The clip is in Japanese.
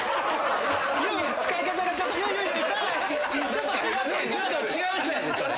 ちょっと違う人やでそれ。